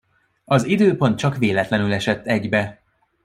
Az időpont csak véletlenül esett egybe.